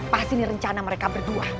pasti ini rencana mereka berdua